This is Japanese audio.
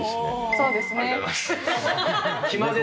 そうですね。